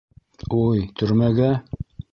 — Уй, төрмәгә...